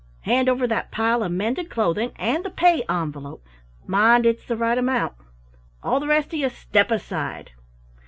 Hand over that pile of mended clothing and the pay envelope, mind it's the right amount all the rest of you, step aside!"